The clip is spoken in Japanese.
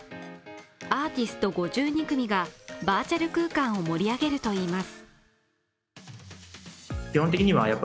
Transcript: アーティスト５２組がバーチャル空間を盛り上げるといいます。